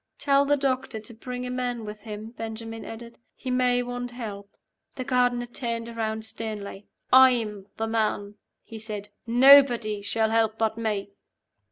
"Tell the doctor to bring a man with him," Benjamin added. "He may want help." The gardener turned around sternly. "I'm the man," he said. "Nobody shall help but me."